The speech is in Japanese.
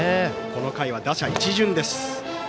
この回は打者一巡です。